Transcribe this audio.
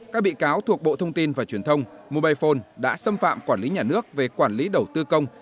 các bị cáo thuộc bộ thông tin và truyền thông mobile phone đã xâm phạm quản lý nhà nước về quản lý đầu tư công